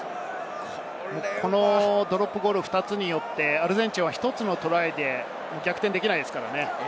このドロップゴール２つによって、アルゼンチンは１つのトライで逆転できないですからね。